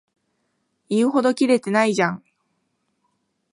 言うほどキレてないじゃん